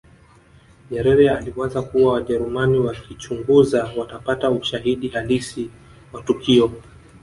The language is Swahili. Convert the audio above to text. nyerere aliwaza kuwa wajerumani wakichunguza watapata ushahidi halisi wa tukio